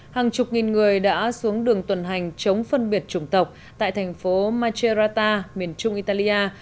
hàng chục nghìn người đã xuống đường tuần hành chống phân biệt chủng tộc tại thành phố machérata miền trung italia